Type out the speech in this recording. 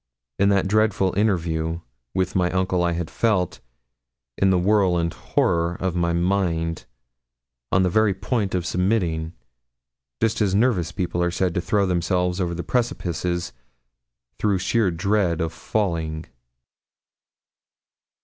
In that dreadful interview with my uncle I had felt, in the whirl and horror of my mind, on the very point of submitting, just as nervous people are said to throw themselves over precipices through sheer dread of falling.